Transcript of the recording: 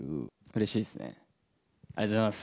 うれしいですね。